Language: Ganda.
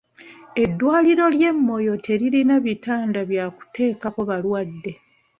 Eddwaliro ly'e Moyo teririna bitanda bya kuteekako balwadde.